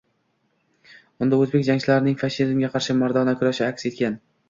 Unda o`zbek jangchilarining fashizmga qarshi mardona kurashlari aks etgan